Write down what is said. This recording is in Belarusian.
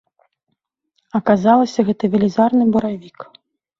Аказалася, гэта велізарны баравік.